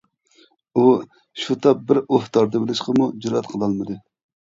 ئۇ شۇ تاپ بىر ئۇھ تارتىۋېلىشقىمۇ جۈرئەت قىلالمىدى.